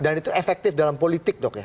dan itu efektif dalam politik dok ya